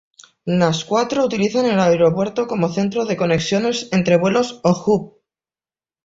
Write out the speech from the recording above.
Las cuatro utilizan el aeropuerto como centro de conexiones entre vuelos o Hub.